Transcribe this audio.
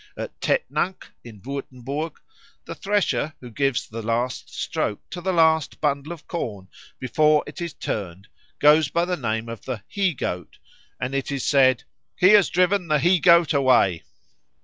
At Tettnang, in Würtemburg, the thresher who gives the last stroke to the last bundle of corn before it is turned goes by the name of the He goat, and it is said, "He has driven the He goat away."